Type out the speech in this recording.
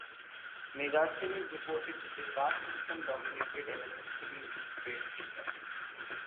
Megasthenes reported that the caste system dominated an essentially illiterate India.